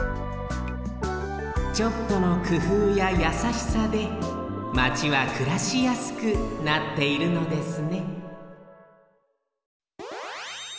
ちょっとのくふうややさしさでマチはくらしやすくなっているのですね